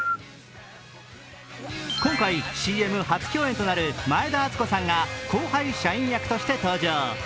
今回、ＣＭ初共演となる前田敦子さんが後輩社員役として登場。